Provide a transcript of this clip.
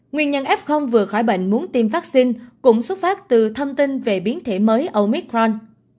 nguyên nhân f vừa khỏi bệnh muốn tiêm vaccine cũng xuất phát từ thông tin về biến thể mới omicron